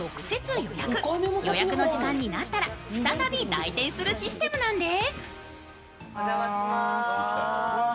予約の時間になったら再び来店するシステムなんです。